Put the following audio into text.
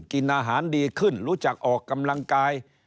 กินอาหารดีขึ้นรู้จักออกกำลังกาย